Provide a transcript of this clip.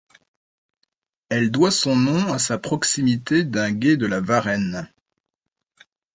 Elle doit son nom à sa proximité d'un gué de la Varenne.